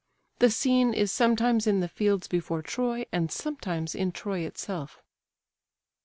The scene is sometimes in the fields before Troy, and sometimes in Troy itself.